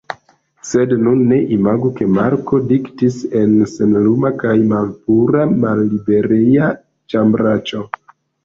Sed nun ne imagu, ke Marko diktis en senluma kaj malpura mallibereja ĉambraĉo!